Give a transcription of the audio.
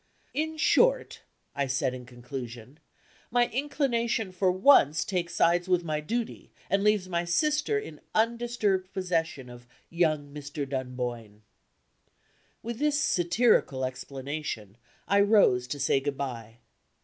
"In short," I said, in conclusion, "my inclination for once takes sides with my duty, and leaves my sister in undisturbed possession of young Mr. Dunboyne." With this satirical explanation, I rose to say good by.